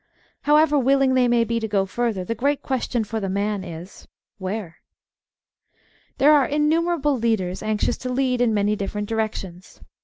However willing they may be to go further, the great question for the man is: Where? There arc innumerable leaders anxious to lead in many different directions.